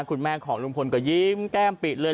คุณแม่ของลุงพลก็ยิ้มแก้มปิดเลย